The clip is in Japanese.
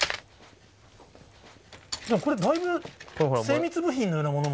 これはだいぶ精密部品のようなものも。